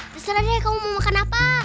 terserah deh kamu mau makan apa